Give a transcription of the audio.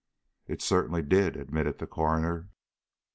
"It certainly did," admitted the coroner.